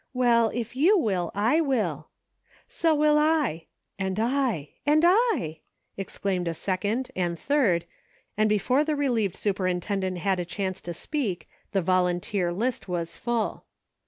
Well, if you will, I will." "So will I," "and I," "and I," exclaimed a sec ond, and third, and before the relieved superin tendent had a chance to speak, the volunteer list was full.